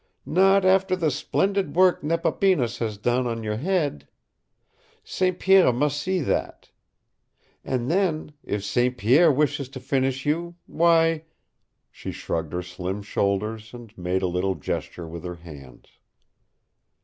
"Not after the splendid work Nepapinas has done on your head. St. Pierre must see that. And then, if St. Pierre wishes to finish you, why " She shrugged her slim shoulders and made a little gesture with her hands.